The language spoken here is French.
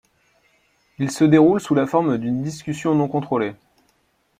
Il se déroule sous la forme d'une discussion non contrôlée.